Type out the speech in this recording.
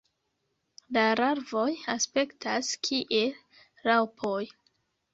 La larvoj aspektas kiel raŭpoj.